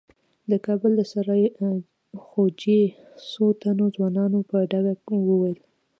د کابل د سرای خوجې څو تنو ځوانانو په ډاګه وويل.